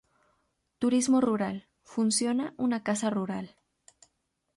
Turismo rural: funciona una casa rural.